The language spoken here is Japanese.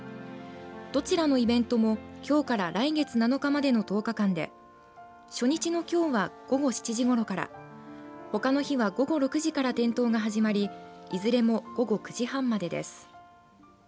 どちらのイベントもきょうから来月７日までの１０日間で初日のきょうは午後７時ごろからほかの日は午後６時から点灯が始まりいずれも午後９時半までです。